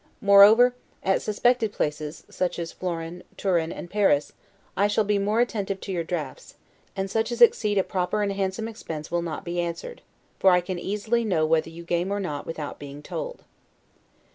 Moreover, at suspected places, such as Florence, Turin, and Paris, I shall be more attentive to your draughts, and such as exceed a proper and handsome expense will not be answered; for I can easily know whether you game or not without being told.